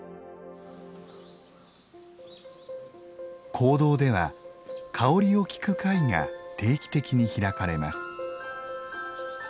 香道では香りを聞く会が定期的に開かれます。